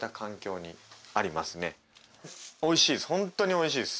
おいしいです。